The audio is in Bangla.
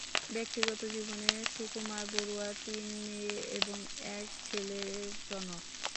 ব্যক্তিগত জীবনে সুকুমার বড়ুয়া তিন মেয়ে এবং এক ছেলের জনক।